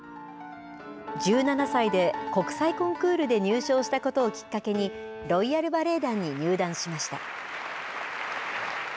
１７歳で国際コンクールで入賞したことをきっかけに、ロイヤル・バレエ団に入団しました。